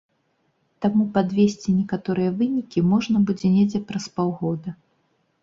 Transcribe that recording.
Таму падвесці некаторыя вынікі можна будзе недзе праз паўгода.